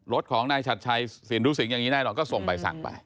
รถของนายชัดชัยสินทุสิงห์อย่างนี้แน่นอนก็ส่งใบสั่งไป